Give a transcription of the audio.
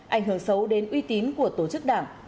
ảnh hưởng xấu đến uy tín của tổ chức đảng